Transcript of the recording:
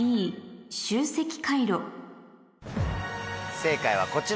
正解はこちら。